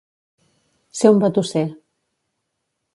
Ser un batusser.